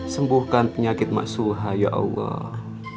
sembuhkan penyakit maksuha ya allah